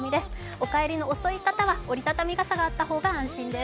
お帰りの遅い方は折りたたみ傘があった方が安心です。